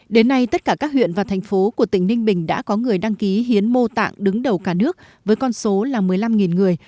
đến nay tất cả các huyện và thành phố của tỉnh ninh bình đã có người đăng ký hiến mô tạng đứng đầu cả nước với con số là một mươi năm người